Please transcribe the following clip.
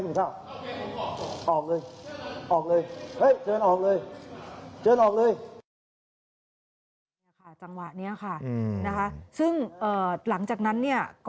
ขายจังหวะนี้นะคะซึ่งหลังจากนั้น